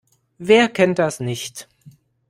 Wer kennt das nicht?